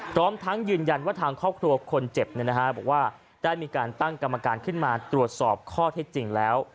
พร้อมทั้งยืนยันว่าทางครอบครัวคนเจ็บบอกว่าได้มีการตั้งกรรมการขึ้นมาตรวจสอบข้อเท็จจริงแล้ว